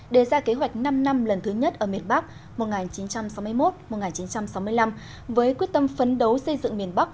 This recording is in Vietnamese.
đề ra kế hoạch năm năm lần thứ nhất ở miền bắc một nghìn chín trăm sáu mươi một một nghìn chín trăm sáu mươi năm với quyết tâm phấn đấu xây dựng miền bắc